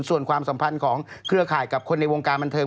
ส่วนความสัมพันธ์ของเครือข่ายกับคนในวงการบันเทิง